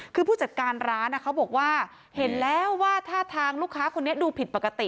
คือผู้จัดการร้านเขาบอกว่าเห็นแล้วว่าท่าทางลูกค้าคนนี้ดูผิดปกติ